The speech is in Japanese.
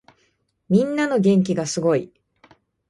みんなの元気がすごい。